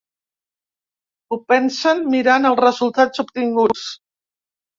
Ho pensen mirant els resultats obtinguts.